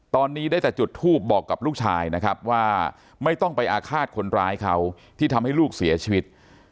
ตอนนี้ได้แต่จุดทูปบอกกับลูกชายนะครับว่าไม่ต้องไปอาฆาตคนร้ายเขาที่ทำให้ลูกเสียชีวิต